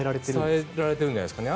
伝えられてるんじゃないですか。